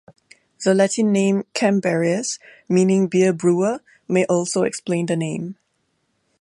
The Latin name "cambarius", meaning beer brewer, may also explain the name.